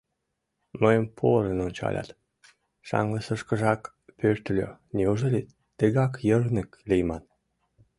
— Мыйым порын ончалят, шаҥгысышкыжак пӧртыльӧ: — Неужели тыгай йырнык лийман?